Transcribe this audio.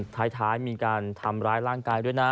ท้ายมีการทำร้ายร่างกายด้วยนะ